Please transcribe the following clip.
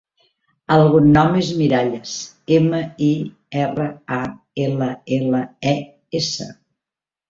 El cognom és Miralles: ema, i, erra, a, ela, ela, e, essa.